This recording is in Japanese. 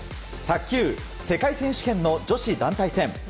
卓球世界選手権の女子団体戦。